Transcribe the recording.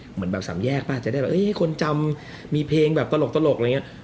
เหมือนแบบสามแยกป้ะจะได้แบบเอ๊ค่ะคนจำมีเพลงแบบตลกอะไรเงี้ย